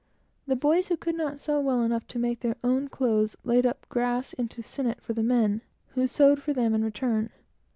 The boys who could not sew well enough to make their own clothes, laid up grass into sinnet for the men, who sewed for them in return.